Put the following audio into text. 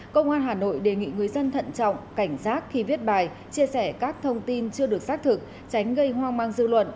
công an hà nội đề nghị người dân thận trọng cảnh giác khi viết bài chia sẻ các thông tin chưa được xác thực tránh gây hoang mang dư luận